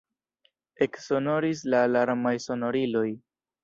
Eksonoris la alarmaj sonoriloj.